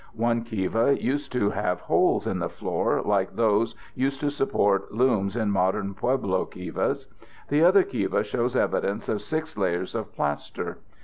One kiva used to have holes in the floor like those used to support looms in modern Pueblo kivas. The other kiva shows evidence of six layers of plaster.